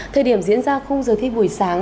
thời điểm diễn ra không giờ thi buổi sáng